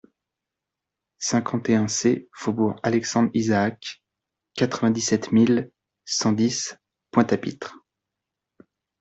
cinquante et un C faubourg Alexandre Isaac, quatre-vingt-dix-sept mille cent dix Pointe-à-Pitre